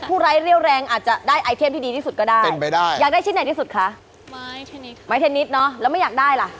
ขึ้นเบลชักที่กลองจับดูสดชื่นสบายใกล้